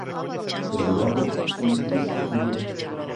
Desde logo, un triste tributo.